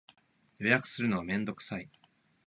予約するのはめんどくさい